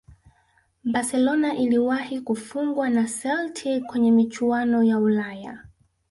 barcelona iliwahi kufungwa na celtic kwenye michuano ya ulaya